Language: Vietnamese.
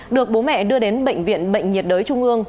được bố mẹ đưa đến bệnh viện bệnh nhiệt đới trung ương